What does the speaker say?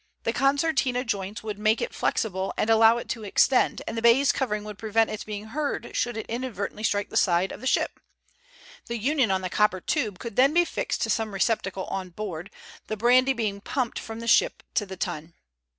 The concertina joints would make it flexible and allow it to extend, and the baize covering would prevent its being heard should it inadvertently strike the side of the ship. The union on the copper tube could then be fixed to some receptacle on board, the brandy being pumped from the ship to the tun.